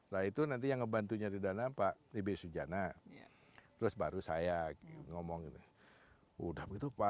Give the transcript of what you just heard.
nah itu nanti yang ngebantunya di dana pak tb sujana terus baru saya ngomong udah begitu pak